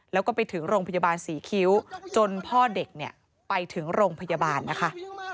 แล้วก็ไปถึงโรงพยาบาลศรีคิ้วจนพ่อเด็กเนี่ยไปถึงโรงพยาบาลนะคะ